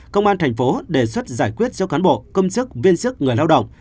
công an tp hcm đề xuất giải quyết cho cán bộ công chức viên sức người lao động